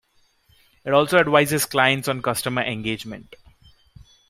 It also advises clients on customer engagement.